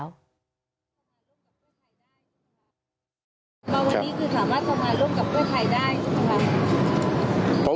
วันนี้คือสามารถร่วมงานร่วมกับเพื่อไทยได้ใช่ไหมครับ